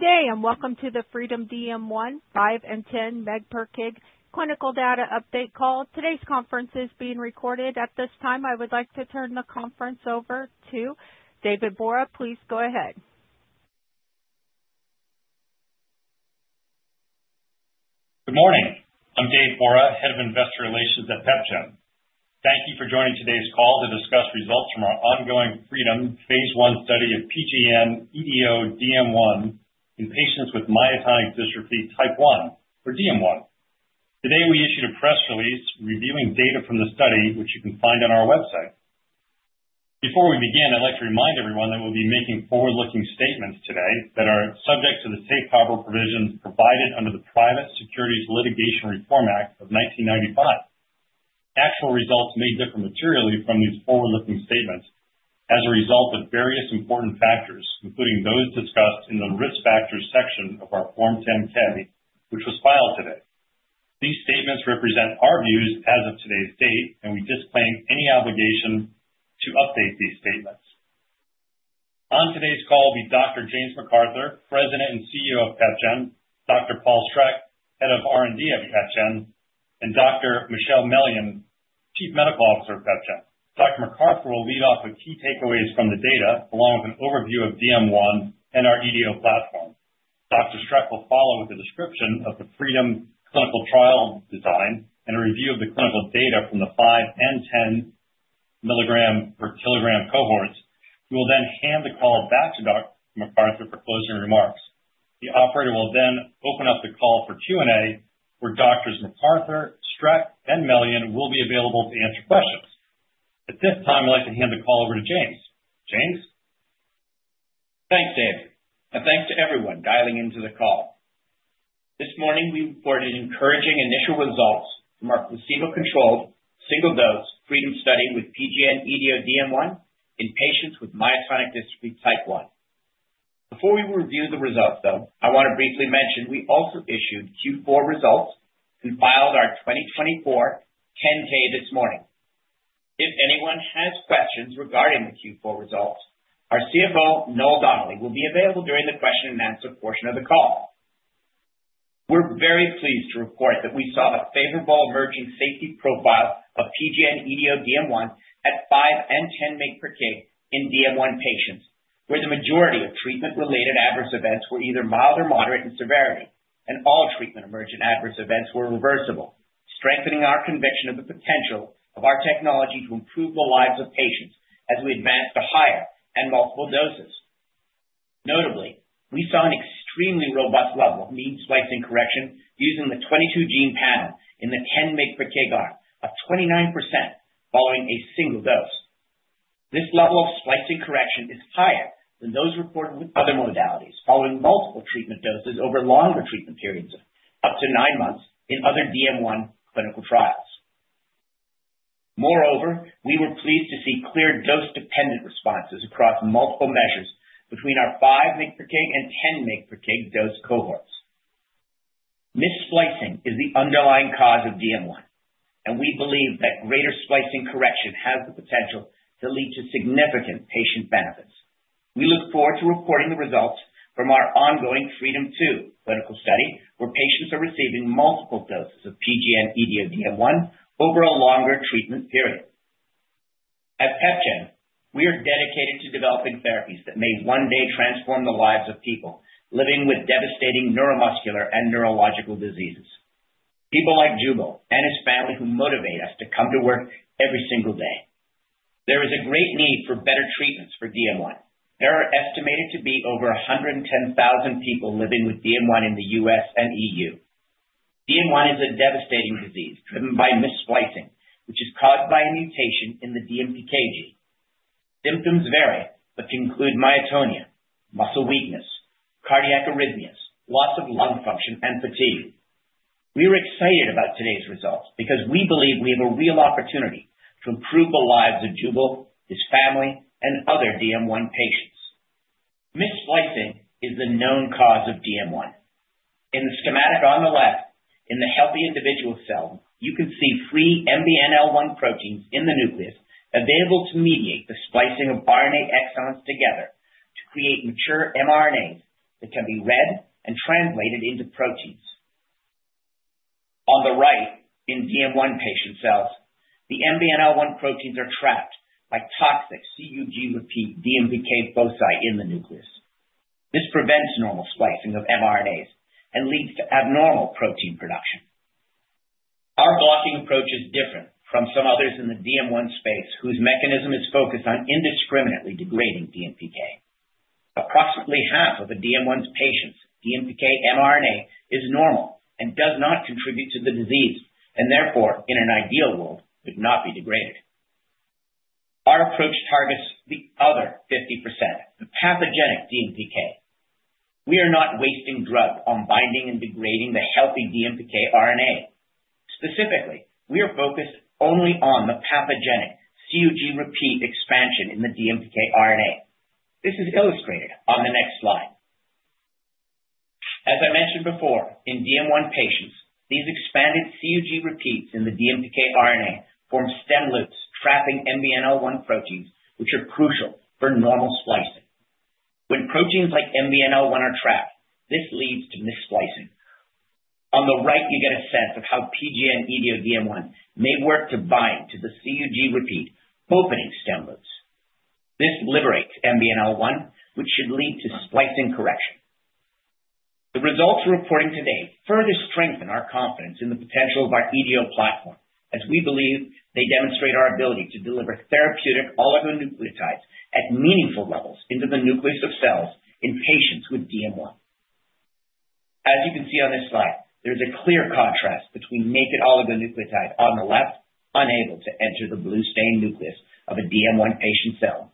Good day and welcome to the FREEDOM-DM1, 5, and 10 mg per kg Clinical Data Update call. Today's conference is being recorded. At this time, I would like to turn the conference over to David Bora. Please go ahead. Good morning. I'm David Bora, Head of Investor Relations at PepGen. Thank you for joining today's call to discuss results from our ongoing FREEDOM Phase I study of PGN-EDODM1 in patients with myotonic dystrophy type 1, or DM1. Today, we issued a press release reviewing data from the study, which you can find on our website. Before we begin, I'd like to remind everyone that we'll be making forward-looking statements today that are subject to the safe harbor provisions provided under the Private Securities Litigation Reform Act of 1995. Actual results may differ materially from these forward-looking statements as a result of various important factors, including those discussed in the risk factors section of our Form 10-K, which was filed today. These statements represent our views as of today's date, and we disclaim any obligation to update these statements. On today's call will be Dr. James McArthur, President and CEO of PepGen, Dr. Paul Streck, Head of R&D at PepGen, and Dr. Michelle Mellion, Chief Medical Officer of PepGen. Dr. McArthur will lead off with key takeaways from the data, along with an overview of DM1 and our EDO platform. Dr. Streck will follow with a description of the FREEDOM clinical trial design and a review of the clinical data from the 5 and 10 milligram per kilogram cohorts. We will then hand the call back to Dr. McArthur for closing remarks. The operator will then open up the call for Q&A, where Doctors McArthur, Streck, and Mellion will be available to answer questions. At this time, I'd like to hand the call over to James. James? Thanks, Dave, and thanks to everyone dialing into the call. This morning, we reported encouraging initial results from our placebo-controlled, single-dose FREEDOM study with PGN-EDODM1 in patients with myotonic dystrophy type 1. Before we review the results, though, I want to briefly mention we also issued Q4 results and filed our 2024 10-K this morning. If anyone has questions regarding the Q4 results, our CFO, Noel Donnelly, will be available during the question-and-answer portion of the call. We're very pleased to report that we saw a favorable emerging safety profile of PGN-EDODM1 at 5 and 10 mg per kg in DM1 patients, where the majority of treatment-related adverse events were either mild or moderate in severity, and all treatment-emergent adverse events were reversible, strengthening our conviction of the potential of our technology to improve the lives of patients as we advance to higher and multiple doses. Notably, we saw an extremely robust level of mean splicing correction using the 22-gene panel in the 10 mg per kg of 29% following a single dose. This level of splicing correction is higher than those reported with other modalities following multiple treatment doses over longer treatment periods of up to nine months in other DM1 clinical trials. Moreover, we were pleased to see clear dose-dependent responses across multiple measures between our 5 mg per kg and 10 mg per kg dose cohorts. Missplicing is the underlying cause of DM1, and we believe that greater splicing correction has the potential to lead to significant patient benefits. We look forward to reporting the results from our ongoing FREEDOM 2 clinical study, where patients are receiving multiple doses of PGN-EDODM1 over a longer treatment period. At PepGen, we are dedicated to developing therapies that may one day transform the lives of people living with devastating neuromuscular and neurological diseases. People like Jubo and his family who motivate us to come to work every single day. There is a great need for better treatments for DM1. There are estimated to be over 110,000 people living with DM1 in the US and EU. DM1 is a devastating disease driven by missplicing, which is caused by a mutation in the DMPK gene. Symptoms vary but can include myotonia, muscle weakness, cardiac arrhythmias, loss of lung function, and fatigue. We are excited about today's results because we believe we have a real opportunity to improve the lives of Jubo, his family, and other DM1 patients. Missplicing is the known cause of DM1. In the schematic on the left in the healthy individual cell, you can see free MBNL1 proteins in the nucleus available to mediate the splicing of RNA exons together to create mature mRNAs that can be read and translated into proteins. On the right, in DM1 patient cells, the MBNL1 proteins are trapped by toxic CUG repeat DMPK foci in the nucleus. This prevents normal splicing of mRNAs and leads to abnormal protein production. Our blocking approach is different from some others in the DM1 space, whose mechanism is focused on indiscriminately degrading DMPK. Approximately half of a DM1 patient's DMPK mRNA is normal and does not contribute to the disease and therefore, in an ideal world, would not be degraded. Our approach targets the other 50%, the pathogenic DMPK. We are not wasting drugs on binding and degrading the healthy DMPK RNA. Specifically, we are focused only on the pathogenic CUG repeat expansion in the DMPK RNA. This is illustrated on the next slide. As I mentioned before, in DM1 patients, these expanded CUG repeats in the DMPK RNA form stem loops trapping MBNL1 proteins, which are crucial for normal splicing. When proteins like MBNL1 are trapped, this leads to missplicing. On the right, you get a sense of how PGN-EDODM1 may work to bind to the CUG repeat opening stem loops. This liberates MBNL1, which should lead to splicing correction. The results we're reporting today further strengthen our confidence in the potential of our EDO platform, as we believe they demonstrate our ability to deliver therapeutic oligonucleotides at meaningful levels into the nucleus of cells in patients with DM1. As you can see on this slide, there is a clear contrast between naked oligonucleotide on the left, unable to enter the blue stained nucleus of a DM1 patient cell,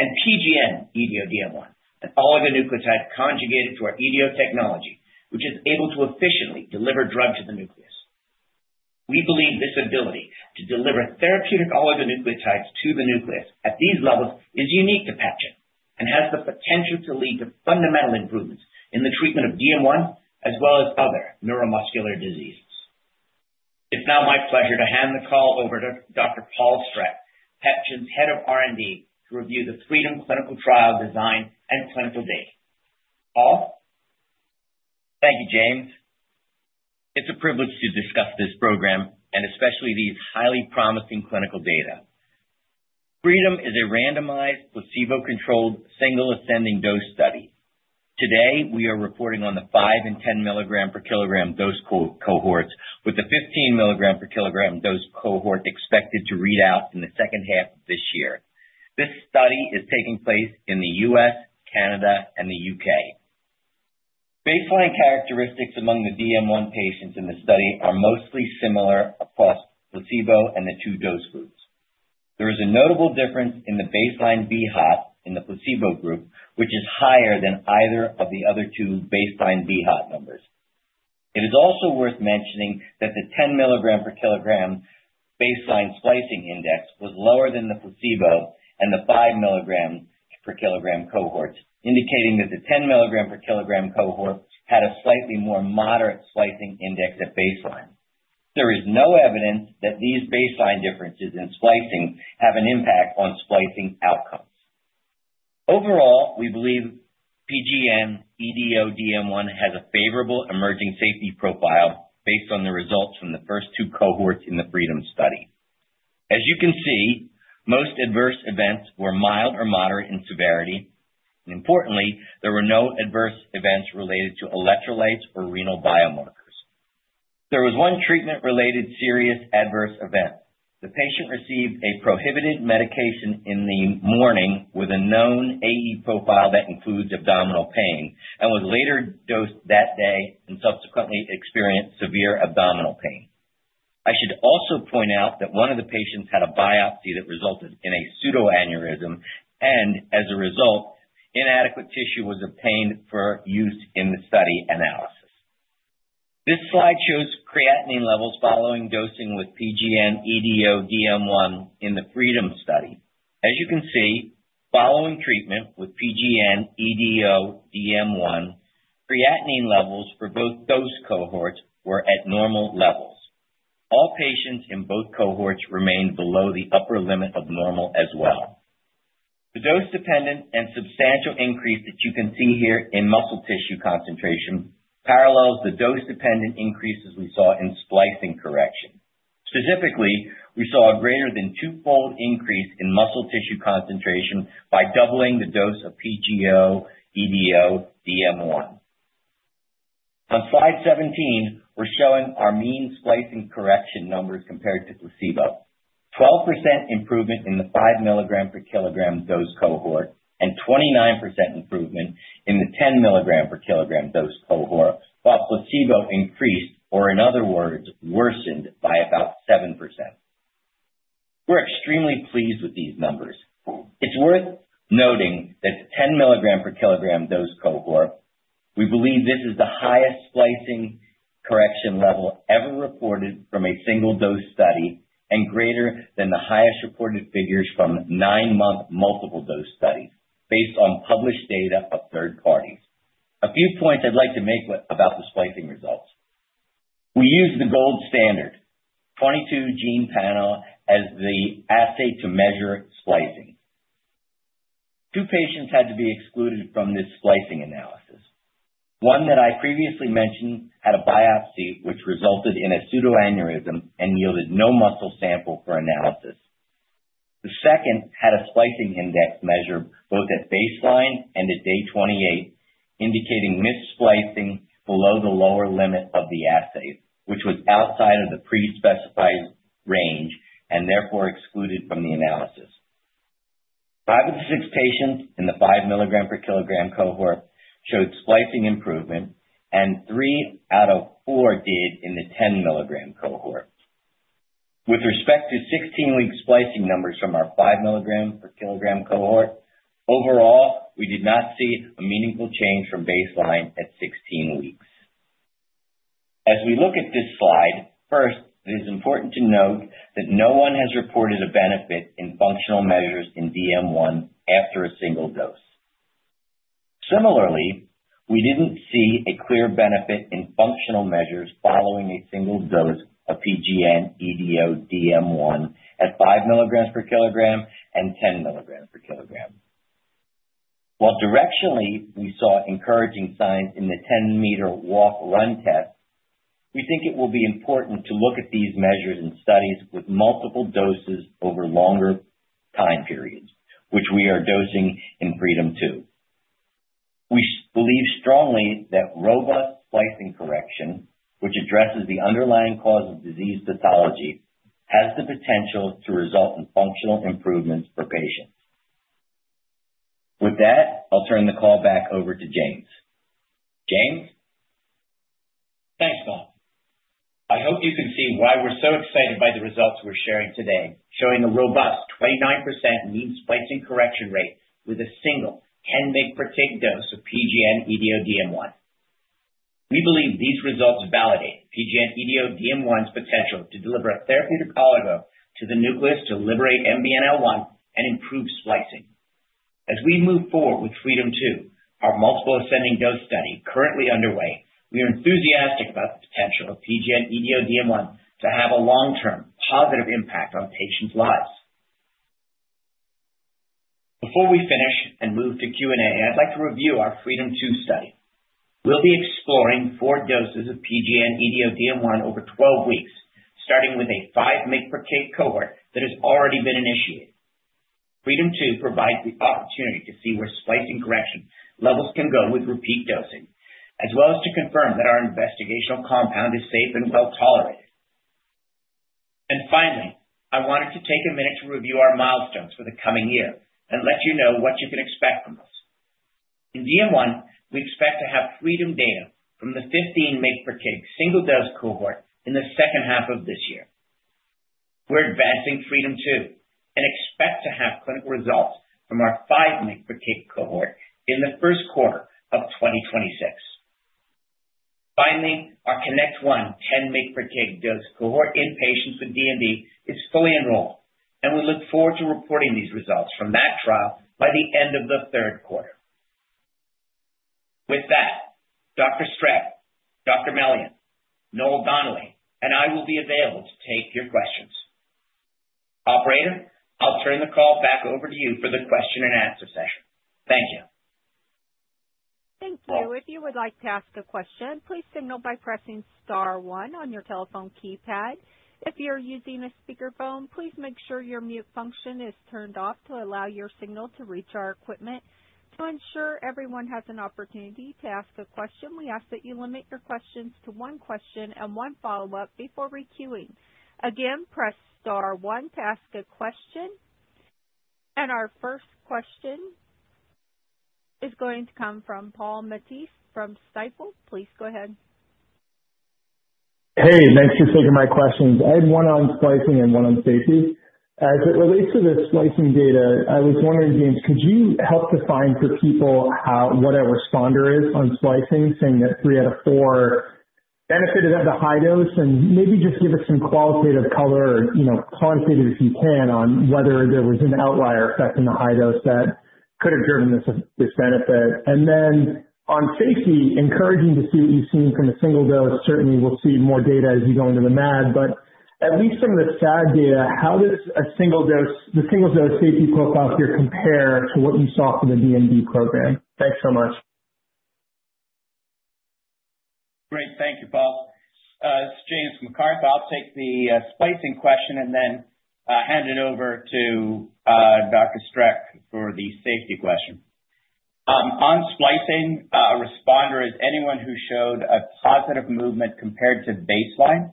and PGN-EDODM1, an oligonucleotide conjugated to our EDO technology, which is able to efficiently deliver drug to the nucleus. We believe this ability to deliver therapeutic oligonucleotides to the nucleus at these levels is unique to PepGen and has the potential to lead to fundamental improvements in the treatment of DM1 as well as other neuromuscular diseases. It's now my pleasure to hand the call over to Dr. Paul Streck, PepGen's Head of R&D, to review the FREEDOM clinical trial design and clinical data. Paul? Thank you, James. It's a privilege to discuss this program and especially these highly promising clinical data. FREEDOM is a randomized placebo-controlled single ascending dose study. Today, we are reporting on the 5 and 10 milligram per kilogram dose cohorts, with the 15 milligram per kilogram dose cohort expected to read out in the second half of this year. This study is taking place in the U.S., Canada, and the U.K. Baseline characteristics among the DM1 patients in the study are mostly similar across placebo and the two dose groups. There is a notable difference in the baseline BHOT in the placebo group, which is higher than either of the other two baseline BHOT numbers. It is also worth mentioning that the 10 milligram per kilogram baseline splicing index was lower than the placebo and the 5 milligram per kilogram cohorts, indicating that the 10 milligram per kilogram cohort had a slightly more moderate splicing index at baseline. There is no evidence that these baseline differences in splicing have an impact on splicing outcomes. Overall, we believe PGN-EDODM1 has a favorable emerging safety profile based on the results from the first two cohorts in the FREEDOM study. As you can see, most adverse events were mild or moderate in severity. Importantly, there were no adverse events related to electrolytes or renal biomarkers. There was one treatment-related serious adverse event. The patient received a prohibited medication in the morning with a known AE profile that includes abdominal pain and was later dosed that day and subsequently experienced severe abdominal pain. I should also point out that one of the patients had a biopsy that resulted in a pseudoaneurysm and, as a result, inadequate tissue was obtained for use in the study analysis. This slide shows creatinine levels following dosing with PGN-EDODM1 in the FREEDOM study. As you can see, following treatment with PGN-EDODM1, creatinine levels for both dose cohorts were at normal levels. All patients in both cohorts remained below the upper limit of normal as well. The dose-dependent and substantial increase that you can see here in muscle tissue concentration parallels the dose-dependent increases we saw in splicing correction. Specifically, we saw a greater than twofold increase in muscle tissue concentration by doubling the dose of PGN-EDODM1. On slide 17, we're showing our mean splicing correction numbers compared to placebo. 12% improvement in the 5 milligram per kilogram dose cohort and 29% improvement in the 10 milligram per kilogram dose cohort, while placebo increased or, in other words, worsened by about 7%. We're extremely pleased with these numbers. It's worth noting that the 10 milligram per kilogram dose cohort, we believe this is the highest splicing correction level ever reported from a single dose study and greater than the highest reported figures from nine-month multiple dose studies based on published data of third parties. A few points I'd like to make about the splicing results. We used the gold standard, 22-gene panel, as the assay to measure splicing. Two patients had to be excluded from this splicing analysis. One that I previously mentioned had a biopsy which resulted in a pseudoaneurysm and yielded no muscle sample for analysis. The second had a splicing index measured both at baseline and at day 28, indicating missplicing below the lower limit of the assay, which was outside of the pre-specified range and therefore excluded from the analysis. Five of the six patients in the 5 milligram per kilogram cohort showed splicing improvement, and three out of four did in the 10 milligram cohort. With respect to 16-week splicing numbers from our 5 milligram per kilogram cohort, overall, we did not see a meaningful change from baseline at 16 weeks. As we look at this slide, first, it is important to note that no one has reported a benefit in functional measures in DM1 after a single dose. Similarly, we did not see a clear benefit in functional measures following a single dose of PGN-EDODM1 at 5 milligrams per kilogram and 10 milligrams per kilogram. While directionally, we saw encouraging signs in the 10-meter walk-run test, we think it will be important to look at these measures in studies with multiple doses over longer time periods, which we are dosing in FREEDOM 2. We believe strongly that robust splicing correction, which addresses the underlying cause of disease pathology, has the potential to result in functional improvements for patients. With that, I'll turn the call back over to James. James? Thanks, Paul. I hope you can see why we're so excited by the results we're sharing today, showing a robust 29% mean splicing correction rate with a single 10 mg per kg dose of PGN-EDODM1. We believe these results validate PGN-EDODM1's potential to deliver a therapeutic oligo to the nucleus to liberate MBNL1 and improve splicing. As we move forward with FREEDOM 2, our multiple ascending dose study currently underway, we are enthusiastic about the potential of PGN-EDODM1 to have a long-term positive impact on patients' lives. Before we finish and move to Q&A, I'd like to review our FREEDOM 2 study. We'll be exploring four doses of PGN-EDODM1 over 12 weeks, starting with a 5 mg per kg cohort that has already been initiated. FREEDOM 2 provides the opportunity to see where splicing correction levels can go with repeat dosing, as well as to confirm that our investigational compound is safe and well tolerated. Finally, I wanted to take a minute to review our milestones for the coming year and let you know what you can expect from us. In DM1, we expect to have FREEDOM data from the 15 mg per kg single dose cohort in the second half of this year. We're advancing FREEDOM 2 and expect to have clinical results from our 5 mg per kg cohort in the first quarter of 2026. Finally, our Connect One 10 mg per kg dose cohort in patients with DMD is fully enrolled, and we look forward to reporting these results from that trial by the end of the third quarter. With that, Dr. Streck, Dr. Mellion, Noel Donnelly, and I will be available to take your questions. Operator, I'll turn the call back over to you for the question and answer session. Thank you. Thank you. If you would like to ask a question, please signal by pressing star one on your telephone keypad. If you're using a speakerphone, please make sure your mute function is turned off to allow your signal to reach our equipment. To ensure everyone has an opportunity to ask a question, we ask that you limit your questions to one question and one follow-up before requeuing. Again, press star one to ask a question. Our first question is going to come from Paul Matteis from Stifel. Please go ahead. Hey, thanks for taking my questions. I had one on splicing and one on safety. As it relates to the splicing data, I was wondering, James, could you help define for people what a responder is on splicing, saying that three out of four benefited at the high dose and maybe just give us some qualitative color, quantitative if you can, on whether there was an outlier effect in the high dose that could have driven this benefit? As it relates to safety, encouraging to see what you've seen from a single dose. Certainly, we'll see more data as you go into the MAD, but at least from the SAD data, how does a single dose safety profile here compare to what you saw from the DMD program? Thanks so much. Great. Thank you, Paul. This is James McArthur. I'll take the splicing question and then hand it over to Dr. Streck for the safety question. On splicing, a responder is anyone who showed a positive movement compared to baseline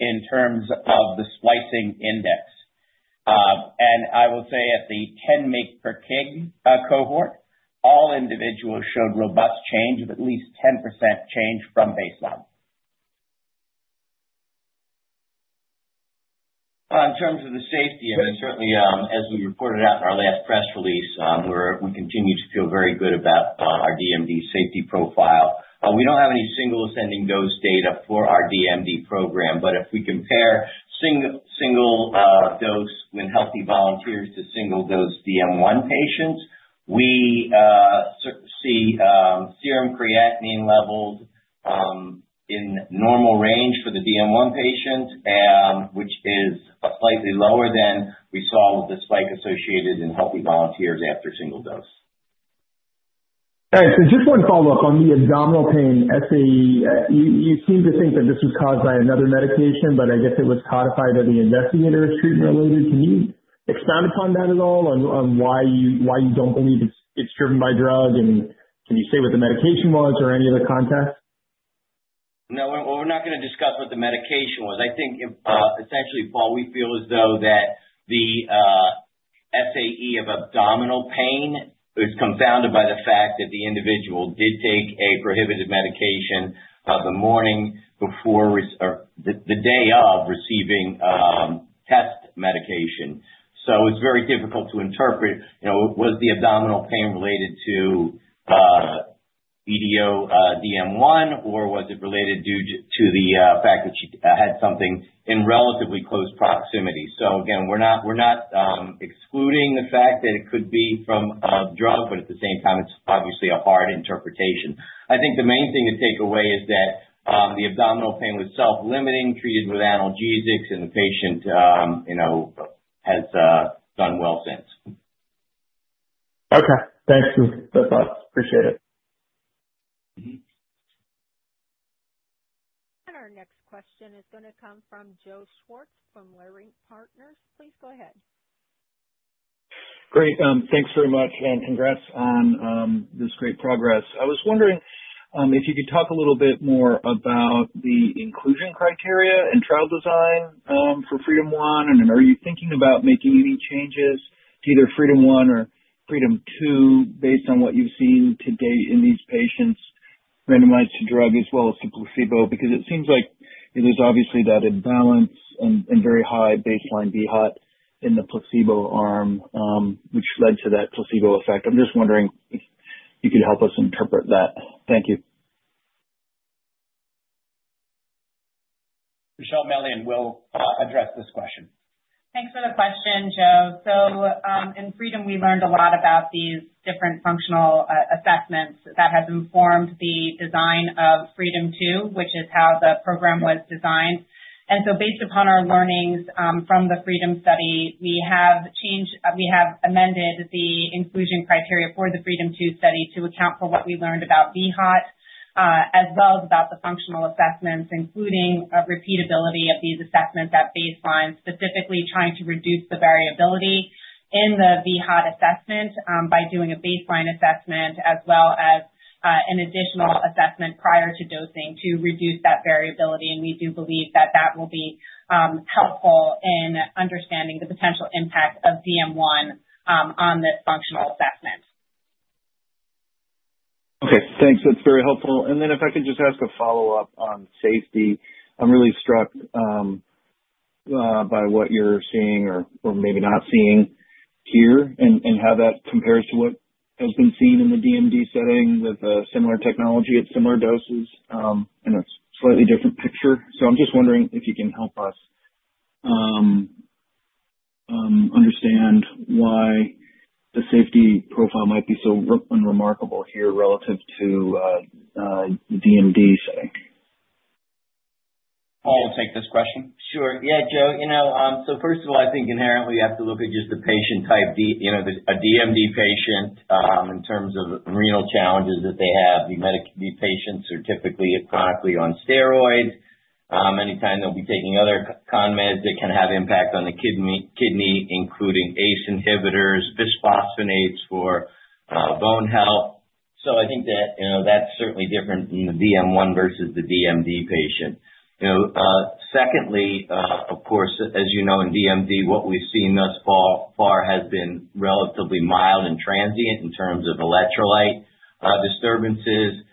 in terms of the splicing index. I will say at the 10 mg per kg cohort, all individuals showed robust change of at least 10% change from baseline. In terms of the safety, certainly, as we reported out in our last press release, we continue to feel very good about our DMD safety profile. We don't have any single ascending dose data for our DMD program, but if we compare single dose in healthy volunteers to single dose DM1 patients, we see serum creatinine levels in normal range for the DM1 patient, which is slightly lower than we saw with the spike associated in healthy volunteers after single dose. All right. Just one follow-up on the abdominal pain. You seem to think that this was caused by another medication, but I guess it was codified by the investigators as treatment related. Can you expand upon that at all on why you don't believe it's driven by drug? Can you say what the medication was or any other context? No. We're not going to discuss what the medication was. I think, essentially, Paul, we feel as though that the SAE of abdominal pain is confounded by the fact that the individual did take a prohibited medication the morning before the day of receiving test medication. It is very difficult to interpret was the abdominal pain related to EDO DM1, or was it related to the fact that she had something in relatively close proximity? Again, we're not excluding the fact that it could be from a drug, but at the same time, it's obviously a hard interpretation. I think the main thing to take away is that the abdominal pain was self-limiting, treated with analgesics, and the patient has done well since. Okay. Thanks, James. That's all. Appreciate it. Our next question is going to come from Joe Schwartz from Leerink Partners. Please go ahead. Great. Thanks very much, and congrats on this great progress. I was wondering if you could talk a little bit more about the inclusion criteria in trial design for FREEDOM 1, and are you thinking about making any changes to either FREEDOM 1 or FREEDOM 2 based on what you've seen to date in these patients randomized to drug as well as to placebo? Because it seems like there's obviously that imbalance and very high baseline BHOT in the placebo arm, which led to that placebo effect. I'm just wondering if you could help us interpret that. Thank you. Michelle Mellion will address this question. Thanks for the question, Joe. In FREEDOM, we learned a lot about these different functional assessments that have informed the design of FREEDOM 2, which is how the program was designed. Based upon our learnings from the FREEDOM study, we have amended the inclusion criteria for the FREEDOM 2 study to account for what we learned about BHOT as well as about the functional assessments, including repeatability of these assessments at baseline, specifically trying to reduce the variability in the BHOT assessment by doing a baseline assessment as well as an additional assessment prior to dosing to reduce that variability. We do believe that that will be helpful in understanding the potential impact of DM1 on the functional assessment. Okay. Thanks. That's very helpful. If I could just ask a follow-up on safety. I'm really struck by what you're seeing or maybe not seeing here and how that compares to what has been seen in the DMD setting with similar technology at similar doses. It's a slightly different picture. I'm just wondering if you can help us understand why the safety profile might be so unremarkable here relative to the DMD setting. Paul, take this question. Sure. Yeah, Joe. First of all, I think inherently you have to look at just the patient type, a DMD patient, in terms of renal challenges that they have. The patients are typically chronically on steroids. Anytime they'll be taking other con meds, it can have impact on the kidney, including ACE inhibitors, bisphosphonates for bone health. I think that that's certainly different in the DM1 versus the DMD patient. Secondly, of course, as you know, in DMD, what we've seen thus far has been relatively mild and transient in terms of electrolyte disturbances,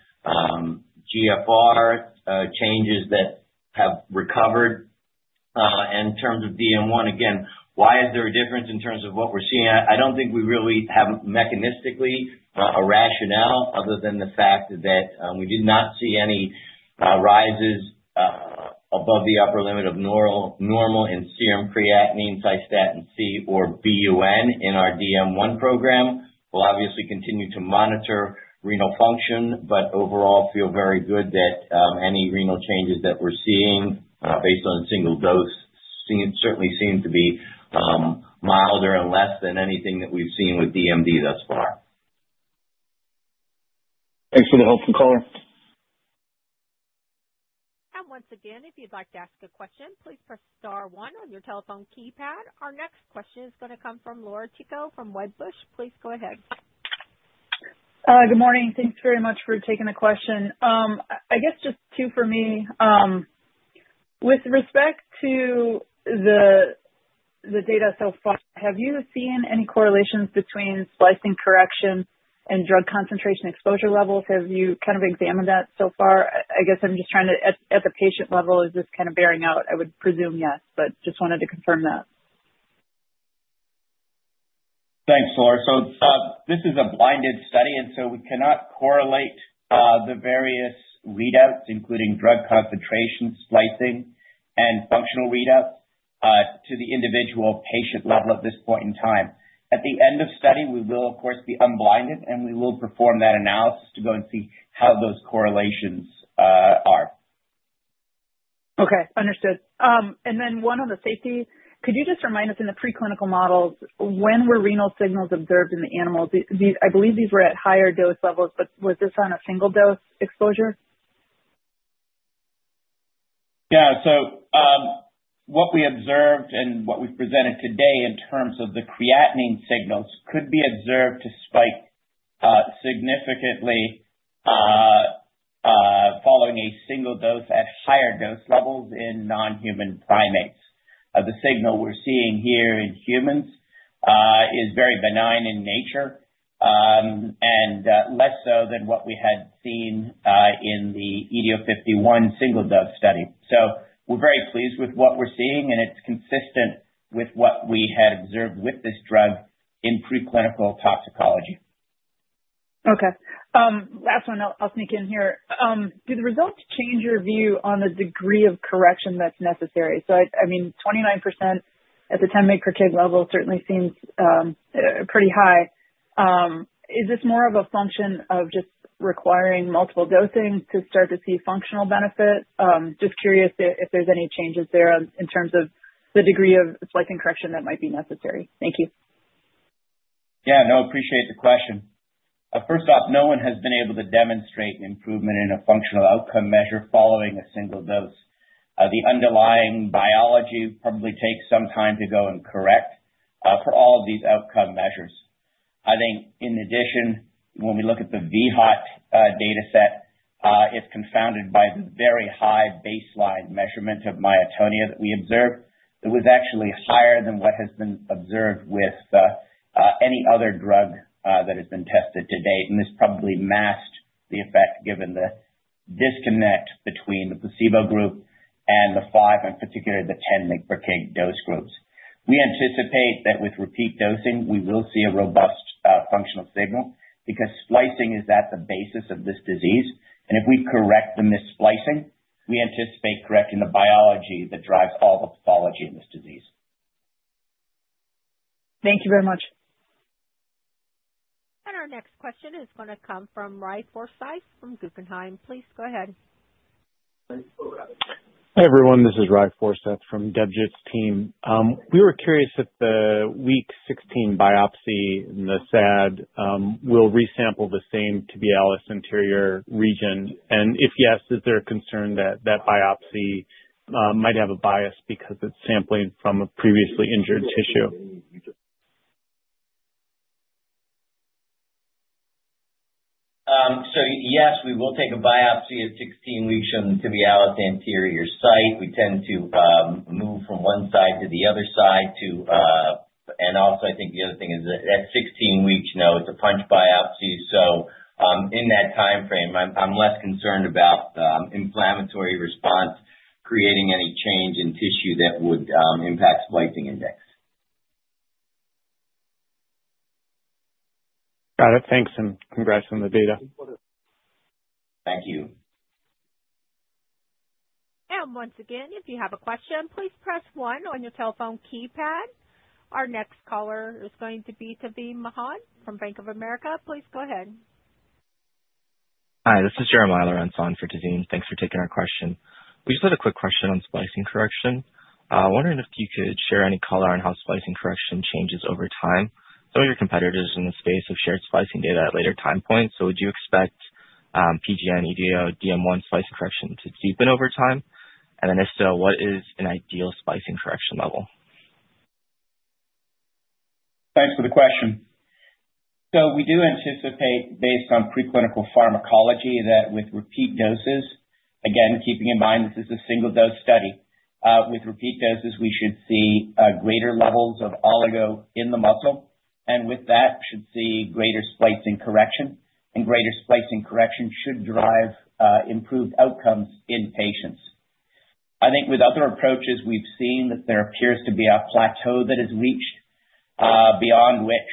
GFR changes that have recovered. In terms of DM1, again, why is there a difference in terms of what we're seeing? I don't think we really have mechanistically a rationale other than the fact that we did not see any rises above the upper limit of normal in serum creatinine, cystatin C, or BUN in our DM1 program. We'll obviously continue to monitor renal function, but overall feel very good that any renal changes that we're seeing based on single dose certainly seem to be milder and less than anything that we've seen with DMD thus far. Thanks for the helpful color. If you'd like to ask a question, please press star one on your telephone keypad. Our next question is going to come from Laura Tico from Wedbush. Please go ahead. Good morning. Thanks very much for taking the question. I guess just two for me. With respect to the data so far, have you seen any correlations between splicing correction and drug concentration exposure levels? Have you kind of examined that so far? I guess I'm just trying to at the patient level, is this kind of bearing out? I would presume yes, but just wanted to confirm that. Thanks, Laura. This is a blinded study, and so we cannot correlate the various readouts, including drug concentration, splicing, and functional readouts to the individual patient level at this point in time. At the end of study, we will, of course, be unblinded, and we will perform that analysis to go and see how those correlations are. Okay. Understood. One on the safety. Could you just remind us in the preclinical models, when were renal signals observed in the animals? I believe these were at higher dose levels, but was this on a single dose exposure? Yeah. What we observed and what we presented today in terms of the creatinine signals could be observed to spike significantly following a single dose at higher dose levels in non-human primates. The signal we're seeing here in humans is very benign in nature and less so than what we had seen in the EDO 51 single dose study. We are very pleased with what we're seeing, and it's consistent with what we had observed with this drug in preclinical toxicology. Okay. Last one. I'll sneak in here. Do the results change your view on the degree of correction that's necessary? I mean, 29% at the 10 mg per kg level certainly seems pretty high. Is this more of a function of just requiring multiple dosing to start to see functional benefit? Just curious if there's any changes there in terms of the degree of splicing correction that might be necessary. Thank you. Yeah. No, appreciate the question. First off, no one has been able to demonstrate an improvement in a functional outcome measure following a single dose. The underlying biology probably takes some time to go and correct for all of these outcome measures. I think in addition, when we look at the BHOT dataset, it's confounded by the very high baseline measurement of myotonia that we observed. It was actually higher than what has been observed with any other drug that has been tested to date. This probably masked the effect given the disconnect between the placebo group and the 5, in particular, the 10 mg per kg dose groups. We anticipate that with repeat dosing, we will see a robust functional signal because splicing is at the basis of this disease. If we correct the missplicing, we anticipate correcting the biology that drives all the pathology in this disease. Thank you very much. Our next question is going to come from Ry Forseth from Guggenheim. Please go ahead. Hi everyone. This is Ry Forseth from Debjit's team. We were curious if the week 16 biopsy in the SAD will resample the same tibialis anterior region. If yes, is there a concern that that biopsy might have a bias because it's sampling from a previously injured tissue? Yes, we will take a biopsy at 16 weeks from the tibialis anterior site. We tend to move from one side to the other side. Also, I think the other thing is that at 16 weeks, it is a punch biopsy. In that timeframe, I am less concerned about inflammatory response creating any change in tissue that would impact splicing index. Got it. Thanks. Congrats on the data. Thank you. If you have a question, please press one on your telephone keypad. Our next caller is going to be Tavin Mohan from Bank of America. Please go ahead. Hi. This is Jeremiah Laurence on for Tavin. Thanks for taking our question. We just had a quick question on splicing correction. Wondering if you could share any color on how splicing correction changes over time. Some of your competitors in the space have shared splicing data at later time points. Would you expect PGN-EDODM1 splicing correction to deepen over time? If so, what is an ideal splicing correction level? Thanks for the question. We do anticipate, based on preclinical pharmacology, that with repeat doses, again, keeping in mind this is a single dose study, with repeat doses we should see greater levels of oligo in the muscle. With that, we should see greater splicing correction. Greater splicing correction should drive improved outcomes in patients. I think with other approaches, we've seen that there appears to be a plateau that is reached beyond which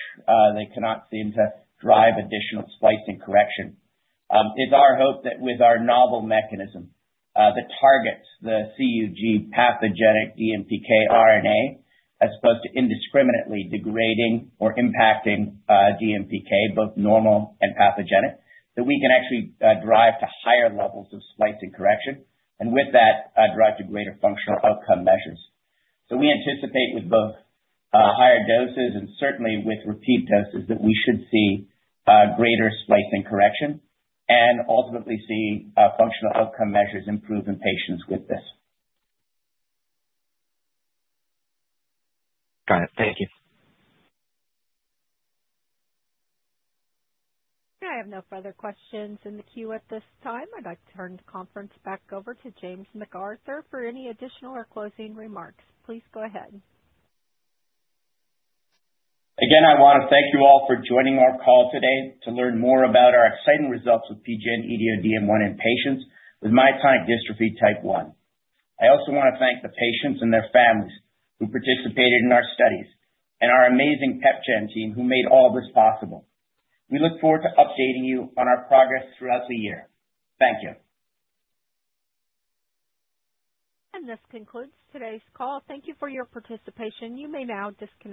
they cannot seem to drive additional splicing correction. It's our hope that with our novel mechanism that targets the CUG pathogenic DMPK RNA, as opposed to indiscriminately degrading or impacting DMPK, both normal and pathogenic, we can actually drive to higher levels of splicing correction. With that, drive to greater functional outcome measures. We anticipate with both higher doses and certainly with repeat doses that we should see greater splicing correction and ultimately see functional outcome measures improve in patients with this. Got it. Thank you. I have no further questions in the queue at this time. I'd like to turn the conference back over to James McArthur for any additional or closing remarks. Please go ahead. Again, I want to thank you all for joining our call today to learn more about our exciting results with PGN-EDODM1 in patients with myotonic dystrophy type 1. I also want to thank the patients and their families who participated in our studies and our amazing PepGen team who made all this possible. We look forward to updating you on our progress throughout the year. Thank you. This concludes today's call. Thank you for your participation. You may now disconnect.